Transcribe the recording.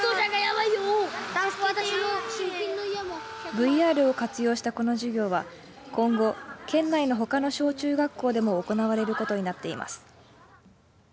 ＶＲを活用したこの授業は今後県内のほかの小中学校でも行われることになっています。